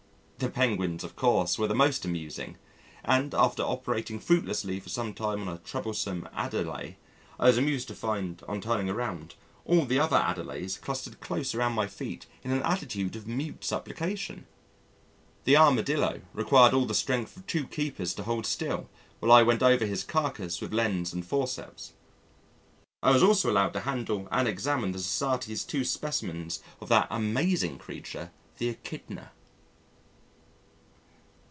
The Penguins, of course, were the most amusing, and, after operating fruitlessly for some time on a troublesome Adèle, I was amused to find, on turning around, all the other Adèles clustered close around my feet in an attitude of mute supplication. The Armadillo required all the strength of two keepers to hold still while I went over his carcass with lens and forceps. I was also allowed to handle and examine the Society's two specimens of that amazing creature the Echidna.